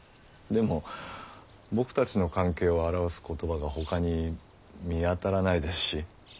でも僕たちの関係を表す言葉がほかに見当たらないですし。